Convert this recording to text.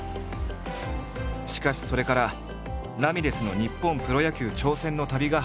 しかしそれからラミレスの日本プロ野球挑戦の旅が始まる。